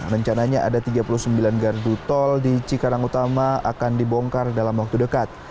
rencananya ada tiga puluh sembilan gardu tol di cikarang utama akan dibongkar dalam waktu dekat